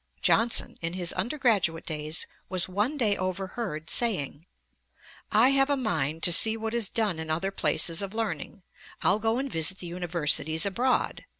Johnson in his undergraduate days was one day overheard saying: 'I have a mind to see what is done in other places of learning. I'll go and visit the Universities abroad.